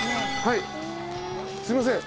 すいません。